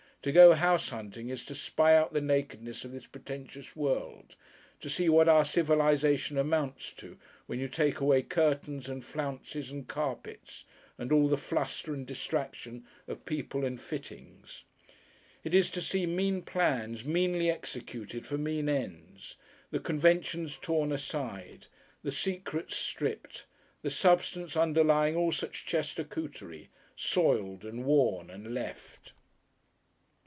To go househunting is to spy out the nakedness of this pretentious world, to see what our civilization amounts to when you take away curtains and flounces and carpets and all the fluster and distraction of people and fittings. It is to see mean plans meanly executed for mean ends, the conventions torn aside, the secrets stripped, the substance underlying all such Chester Cootery, soiled and worn and left.